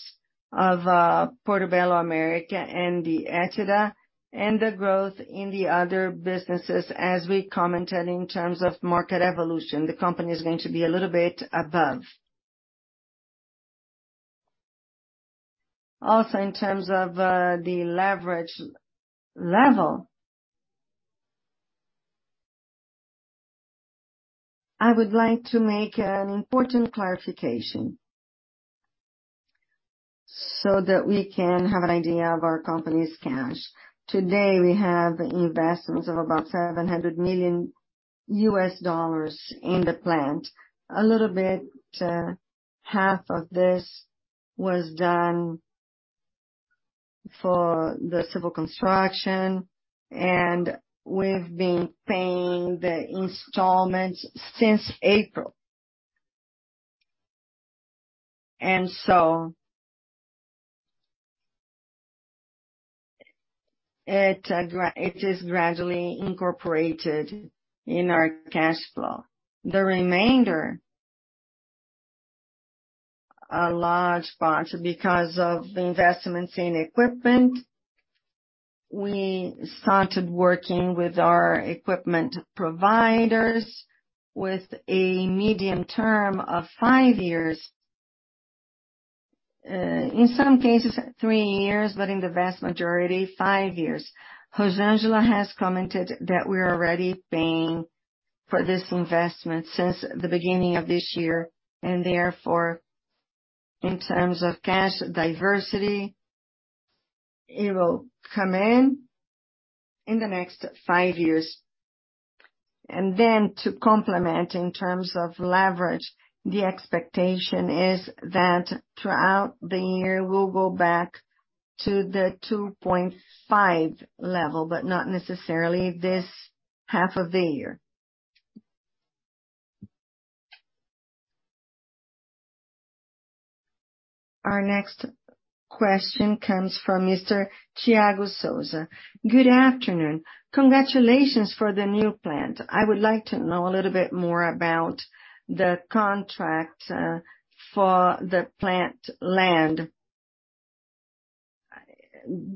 Speaker 1: of Portobello America and the EBITDA and the growth in the other businesses. As we commented, in terms of market evolution, the company is going to be a little bit above. Also, in terms of the leverage level, I would like to make an important clarification so that we can have an idea of our company's cash. Today, we have investments of about $700 million in the plant. A little bit, half of this was done for the civil construction, and we've been paying the installments since April. So, it is gradually incorporated in our cash flow. The remainder, a large part, because of the investments in equipment, we started working with our equipment providers with a medium term of five years. In some cases, three years, but in the vast majority, five years. Jose Angelo has commented that we're already paying for this investment since the beginning of this year, and therefore, in terms of cash diversity, it will come in, in the next five years. Then to complement in terms of leverage, the expectation is that throughout the year, we'll go back to the 2.5 level, but not necessarily this half of the year. Our next question comes from Mr. Tiago Souza. Good afternoon. Congratulations for the new plant. I would like to know a little bit more about the contract for the plant land.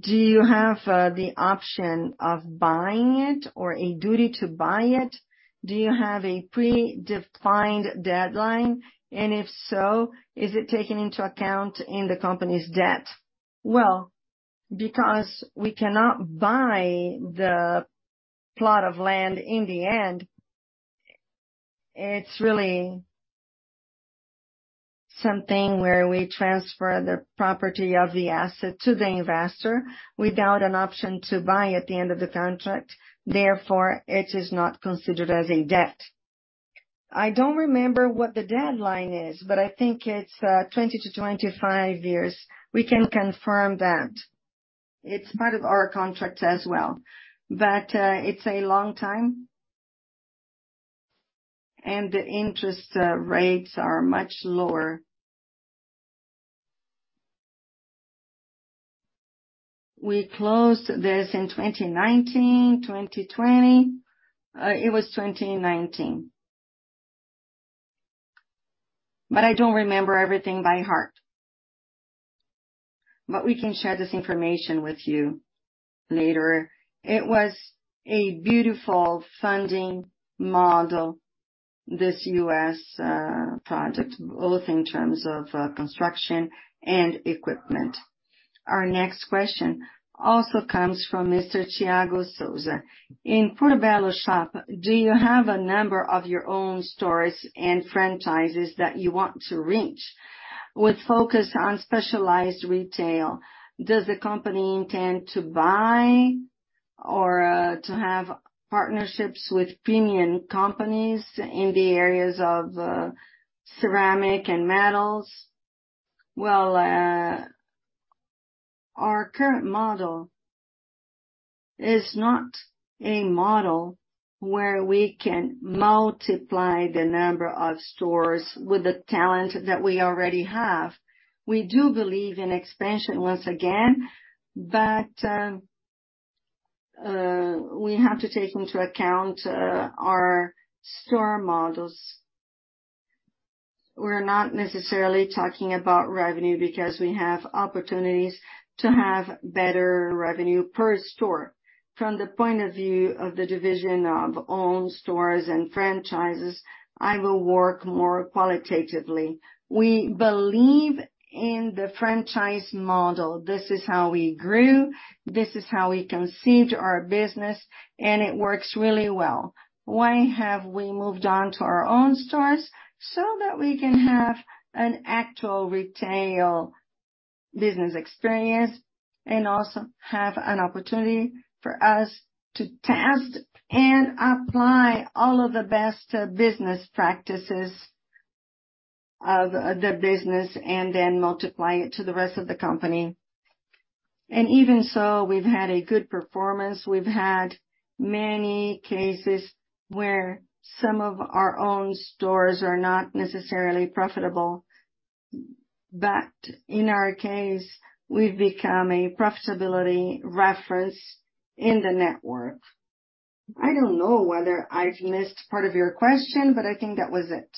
Speaker 1: Do you have the option of buying it or a duty to buy it? Do you have a predefined deadline? If so, is it taken into account in the company's debt? Well, because we cannot buy the plot of land, in the end, it's really... something where we transfer the property of the asset to the investor without an option to buy at the end of the contract, therefore, it is not considered as a debt. I don't remember what the deadline is, but I think it's 20years-25 years. We can confirm that. It's part of our contract as well, but it's a long time, and the interest rates are much lower. We closed this in 2019, 2020. It was 2019. I don't remember everything by heart. We can share this information with you later. It was a beautiful funding model, this U.S. project, both in terms of construction and equipment. Our next question also comes from Mr. Thiago Souza: In Portobello Shop, do you have a number of your own stores and franchises that you want to reach? With focus on specialized retail, does the company intend to buy or to have partnerships with premium companies in the areas of ceramic and metals? Well, our current model is not a model where we can multiply the number of stores with the talent that we already have. We do believe in expansion once again, but we have to take into account our store models. We're not necessarily talking about revenue, because we have opportunities to have better revenue per store. From the point of view of the division of own stores and franchises, I will work more qualitatively. We believe in the franchise model. This is how we grew, this is how we conceived our business, and it works really well. Why have we moved on to our own stores? That we can have an actual retail business experience, and also have an opportunity for us to test and apply all of the best business practices of the business, and then multiply it to the rest of the company. Even so, we've had a good performance. We've had many cases where some of our own stores are not necessarily profitable. In our case, we've become a profitability reference in the network. I don't know whether I've missed part of your question, but I think that was it.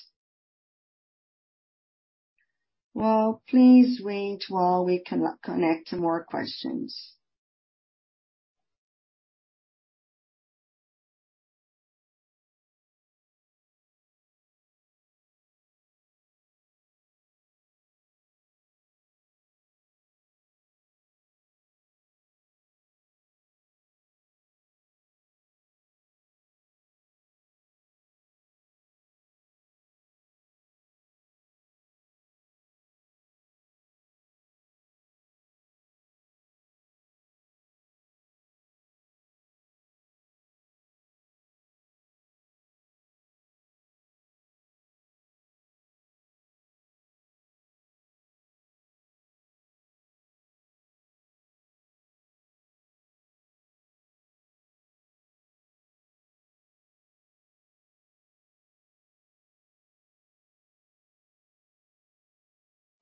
Speaker 1: Well, please wait while we connect to more questions.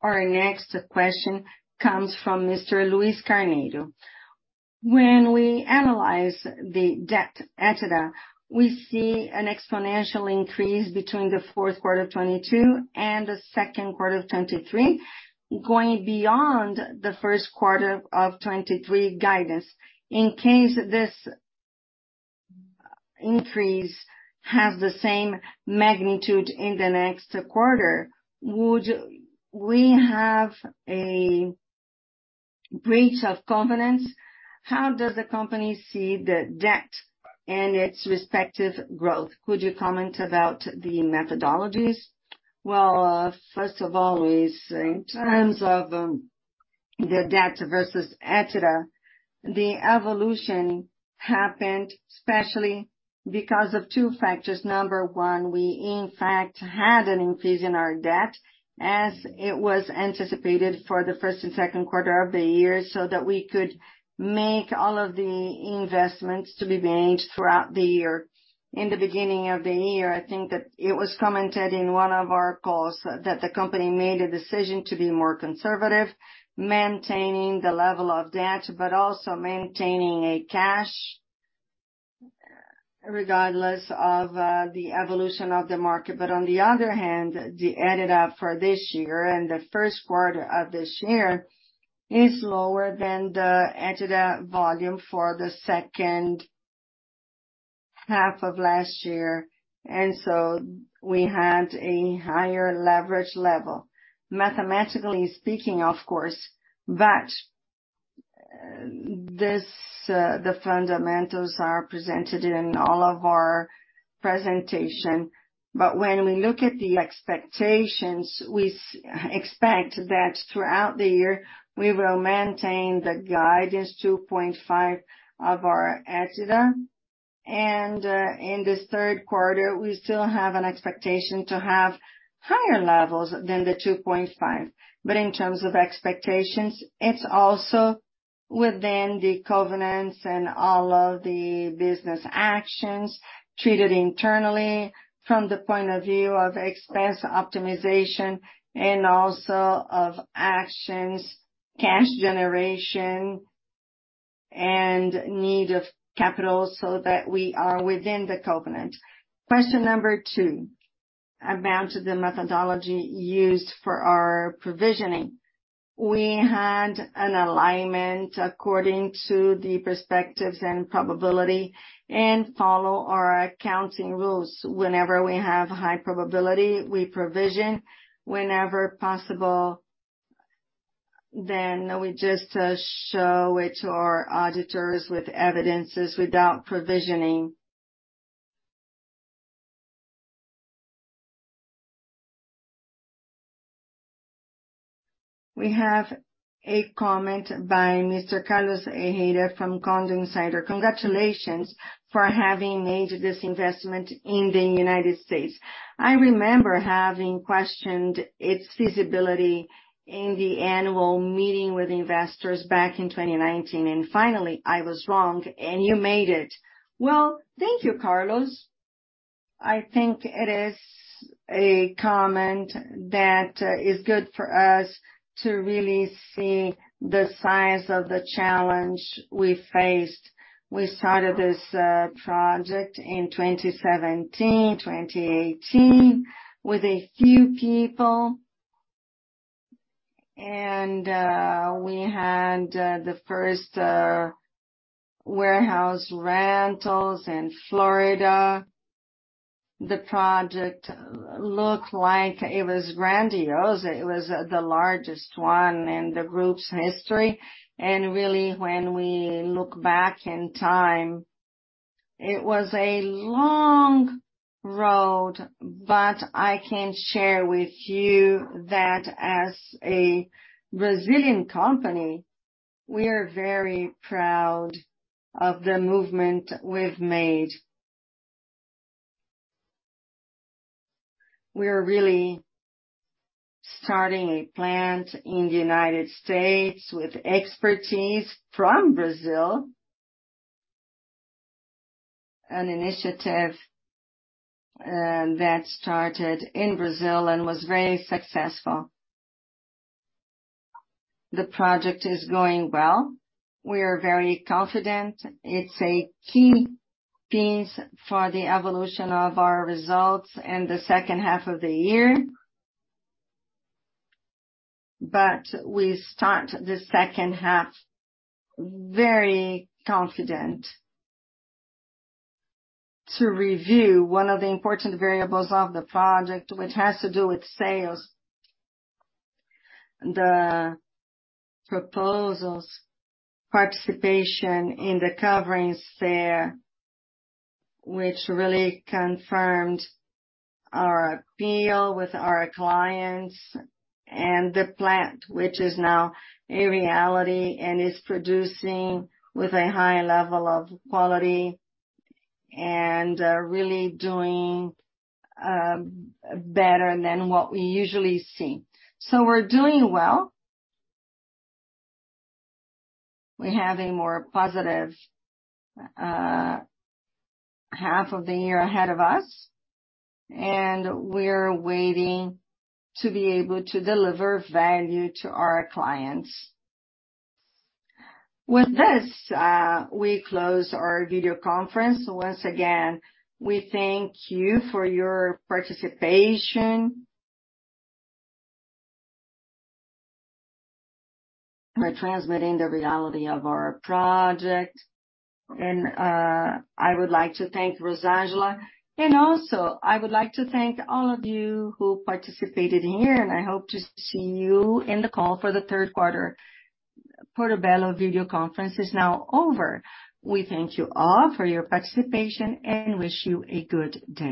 Speaker 1: Our next question comes from Mr. Luiz Carneiro: When we analyze the debt, EBITDA, we see an exponential increase between the fourth quarter of 2022 and the second quarter of 2023, going beyond the first quarter of 2023 guidance. In case this increase has the same magnitude in the next quarter, would we have a breach of confidence? How does the company see the debt and its respective growth? Could you comment about the methodologies? Well, first of all, Luiz, in terms of the debt versus EBITDA, the evolution happened especially because of two factors. Number one, we in fact had an increase in our debt as it was anticipated for the first and second quarter of the year, so that we could make all of the investments to be made throughout the year. In the beginning of the year, I think that it was commented in one of our calls, that the company made a decision to be more conservative, maintaining the level of debt, but also maintaining a cash, regardless of the evolution of the market. On the other hand, the EBITDA for this year and the first quarter of this year is lower than the EBITDA volume for the second half of last year, and so we had a higher leverage level, mathematically speaking, of course. This, the fundamentals are presented in all of our presentation. When we look at the expectations, we expect that throughout the year, we will maintain the guidance 2.5x of our EBITDA. In this third quarter, we still have an expectation to have higher levels than the 2.5x. In terms of expectations, it's also within the covenants and all of the business actions treated internally from the point of view of expense optimization, and also of actions, cash generation, and need of capital, so that we are within the covenant. Question number two, about the methodology used for our provisioning. We had an alignment according to the perspectives and probability, and follow our accounting rules. Whenever we have high probability, we provision. Whenever possible, then we just show it to our auditors with evidence, without provisioning. We have a comment by Mr. Carlos Herrera from Condor Insider: "Congratulations for having made this investment in the United States. I remember having questioned its feasibility in the annual meeting with investors back in 2019, and finally, I was wrong, and you made it." Well, thank you, Carlos. I think it is a comment that is good for us to really see the size of the challenge we faced. We started this project in 2017, 2018, with a few people, and we had the first warehouse rentals in Florida. The project looked like it was grandiose. It was the largest one in the group's history. Really, when we look back in time, it was a long road. I can share with you that as a Brazilian company, we are very proud of the movement we've made. We are really starting a plant in the United States with expertise from Brazil. An initiative that started in Brazil and was very successful. The project is going well. We are very confident. It's a key piece for the evolution of our results in the second half of the year. We start the second half very confident. To review one of the important variables of the project, which has to do with sales, the proposals, participation in the Coverings fair, which really confirmed our appeal with our clients, and the plant, which is now a reality and is producing with a high level of quality, and really doing better than what we usually see. We're doing well. We have a more positive half of the year ahead of us, and we're waiting to be able to deliver value to our clients. With this, we close our video conference. Once again, we thank you for your participation. We're transmitting the reality of our project, and I would like to thank Rosangela, and also, I would like to thank all of you who participated here, and I hope to see you in the call for the third quarter. Portobello video conference is now over. We thank you all for your participation. Wish you a good day.